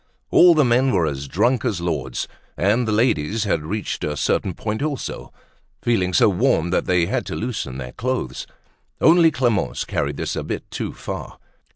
All the men were as drunk as lords and the ladies had reached a certain point also, feeling so warm that they had to loosen their clothes. Only Clemence carried this a bit too far.